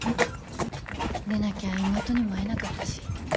でなきゃ妹にも会えなかったし。